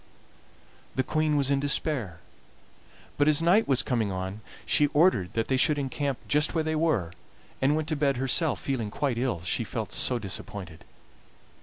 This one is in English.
"The Queen was in despair, but as night was coming on she ordered that they should encamp just where they were, and went to bed herself, feeling quite ill, she was so disappointed.